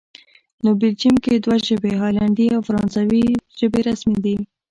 نو بلجیم کې دوه ژبې، هالندي او فرانسوي ژبې رسمي دي